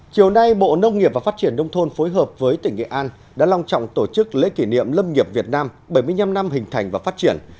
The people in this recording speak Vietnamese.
chiều nay bộ nông nghiệp và phát triển nông thôn phối hợp với tỉnh nghệ an đã long trọng tổ chức lễ kỷ niệm lâm nghiệp việt nam bảy mươi năm năm hình thành và phát triển